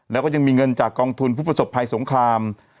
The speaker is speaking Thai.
แล้วก็ยังมีเงินจากกองทุนผู้ประสบภัยสงคราม